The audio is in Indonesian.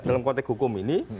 dalam konteks hukum ini